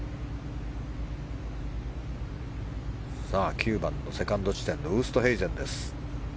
９番のセカンド地点ウーストヘイゼンです。